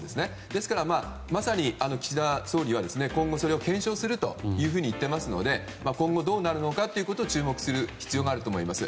ですから、まさに岸田総理は今後それを検証すると言っていますので今後、どうなるのかということを注目する必要があると思います。